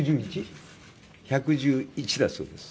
１１１だそうです。